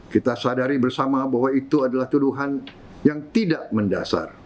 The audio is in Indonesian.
kita sadari bersama bahwa itu adalah tuduhan yang tidak mendasar